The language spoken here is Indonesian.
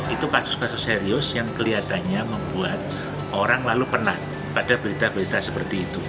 itu kasus kasus serius yang kelihatannya membuat orang lalu penat pada berita berita seperti itu